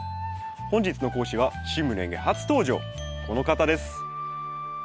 本日の講師は「趣味の園芸」初登場この方です。